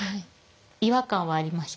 違和感はありました。